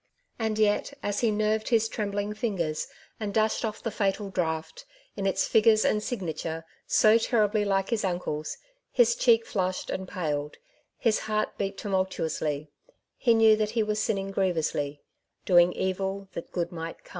And yet, as he nerved his trembling fingers and dashed off the fatal draft, in its figures and sig nature so terribly like his uncle^s, his cheek flushed and paled, his heart beat tumultuously ; he knew that he was sinning grievously, doing evil that good might come.